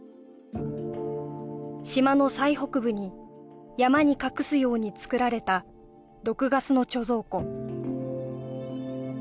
島の最北部に山に隠すようにつくられた毒ガスの貯蔵庫